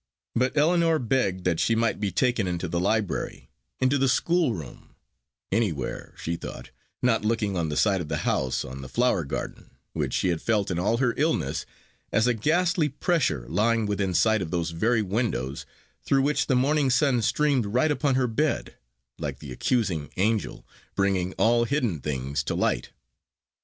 But Ellinor begged that she might be taken into the library into the schoolroom anywhere (thought she) not looking on the side of the house on the flower garden, which she had felt in all her illness as a ghastly pressure lying within sight of those very windows, through which the morning sun streamed right upon her bed like the accusing angel, bringing all hidden things to light.